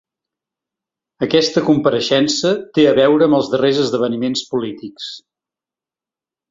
Aquesta compareixença té a veure amb els darrers esdeveniments polítics.